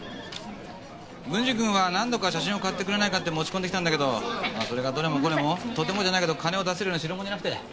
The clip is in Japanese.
軍司君は何度か写真を買ってくれないかって持ち込んできたんだけどまあそれがどれもこれもとてもじゃないけど金を出せるような代物じゃなくて。